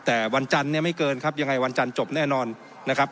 แต่วันจันทร์เนี่ยไม่เกินครับยังไงวันจันทร์จบแน่นอนนะครับ